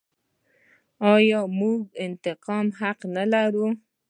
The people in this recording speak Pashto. آیا موږ د انتقاد حق نلرو؟